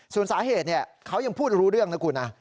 ส่วนสาเหตุเขายังพูดรู้เรื่องนะคุณนะ